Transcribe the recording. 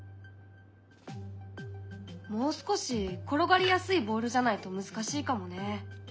もう少し転がりやすいボールじゃないと難しいかもね。